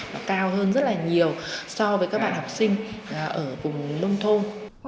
nó cao hơn rất là nhiều so với các bạn học sinh ở vùng nông thôn